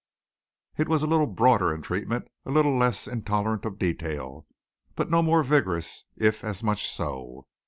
It was a little broader in treatment, a little less intolerant of detail, but no more vigorous if as much so.